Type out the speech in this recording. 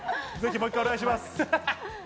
もう一回、お願いします。